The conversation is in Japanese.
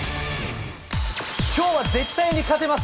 今日は絶対勝てます！